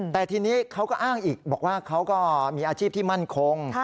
แต่ทีนี้เขาก็อ้างอีกบอกว่าเขาก็มีอาชีพที่มั่นคง